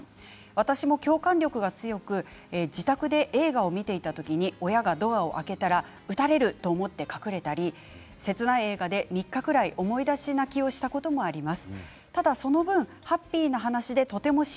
私も共感力が強く自宅で映画を見ていた時に親がドアを開けたら撃たれると思ったり切ない映画で３日ぐらい思い出し泣きをしたこともあります。